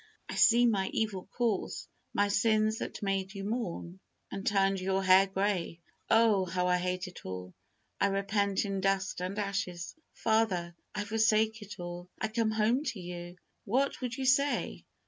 I see my evil course, my sins that made you mourn, and turned your hair grey. Oh! how I hate it all. I repent in dust and ashes. Father! I forsake it all! I come home to you!" What would you say?